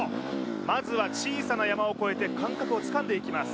まずは小さな山を越えて感覚をつかんでいきます